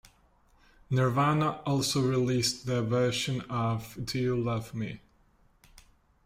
Nirvana also released their version of Do You Love Me?